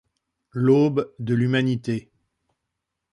L'aube de l'humanité.